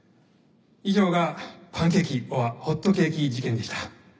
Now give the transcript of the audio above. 以上がパンケーキｏｒホットケーキ事件でした。